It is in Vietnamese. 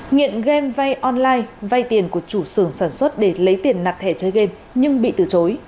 nhiện game vay online vay tiền của chủ xưởng sản xuất để lấy tiền nạc thẻ chơi game nhưng bị từ chối